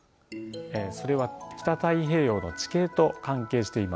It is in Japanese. それは北太平洋の地形と関係しています。